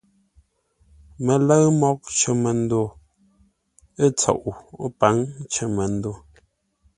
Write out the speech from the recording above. Mələ́ʉ mǒghʼ cər məndo ə́ tsoʼo pǎŋ cər məndo.